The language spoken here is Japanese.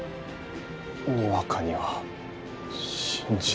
にわかには信じられぬ。